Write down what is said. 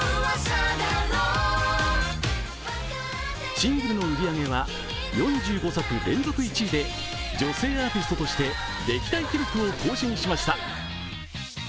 シングルの売り上げは４５作連続１位で女性アーティストとして歴代記録を更新しました。